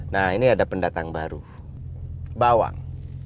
nah ini ada pendatang baru bawang